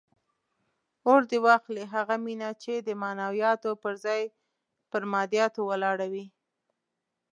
اور دې واخلي هغه مینه چې د معنویاتو پر ځای پر مادیاتو ولاړه وي.